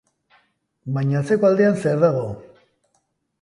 Baina atzeko aldean, zer dago?